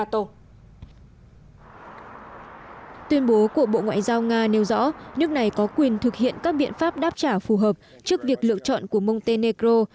tuyên bố của bộ ngoại giao nga nêu rõ nước này có quyền thực hiện các biện pháp đáp trả phù hợp trước việc lựa chọn của montenegro